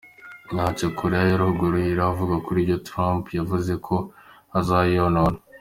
Nta co Korea ya ruguru iravuga kuri ivyo Trump yavuze ko azoyonona.